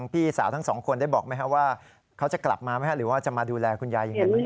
พี่สาวทั้งสองคนได้บอกไหมครับว่าเขาจะกลับมาไหมหรือว่าจะมาดูแลคุณยายยังไงบ้าง